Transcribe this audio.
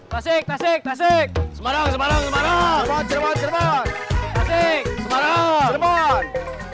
kasih kasih kasih semarang semarang semarang